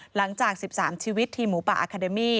หลังจาก๑๓ชีวิตทีมหมูป่าอาคาเดมี่